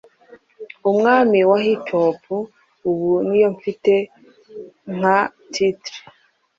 Umwami wa hiphop ubu niyo mfite nka titre